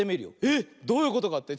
えっどういうことかって？